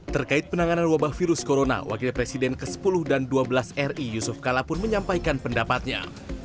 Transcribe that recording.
terkait penanganan wabah virus corona wakil presiden ke sepuluh dan ke dua belas ri yusuf kala pun menyampaikan pendapatnya